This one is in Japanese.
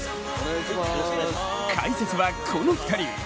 解説はこの２人。